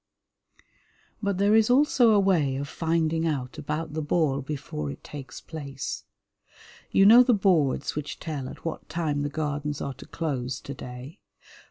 But there is also a way of finding out about the ball before it takes place. You know the boards which tell at what time the Gardens are to close to day.